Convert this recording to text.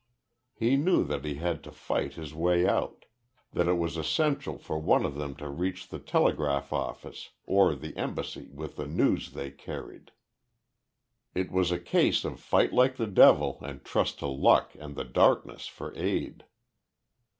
He knew that he had to fight his way out that it was essential for one of them to reach the telegraph office or the embassy with the news they carried. It was a case of fight like the devil and trust to luck and the darkness for aid.